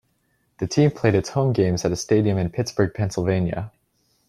The team played its home games at a stadium in Pittsburgh, Pennsylvania.